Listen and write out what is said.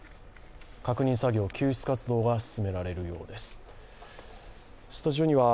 確認作業、救出活動が進められるようです。